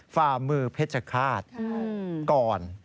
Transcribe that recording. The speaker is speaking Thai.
ฝ่ามือเพชรฆาตก่อน